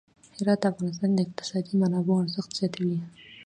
هرات د افغانستان د اقتصادي منابعو ارزښت زیاتوي.